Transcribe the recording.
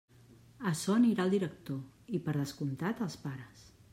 Açò anirà al director i per descomptat als pares.